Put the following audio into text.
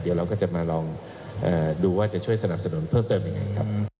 เดี๋ยวเราก็จะมาลองดูว่าจะช่วยสนับสนุนเพิ่มเติมยังไงครับ